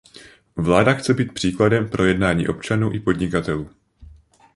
Vláda chce být příkladem pro jednání občanů i podnikatelů.